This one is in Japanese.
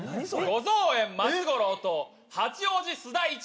『五臓圓松五郎と八王子須田一族』。